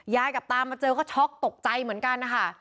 กับตามาเจอก็ช็อกตกใจเหมือนกันนะคะ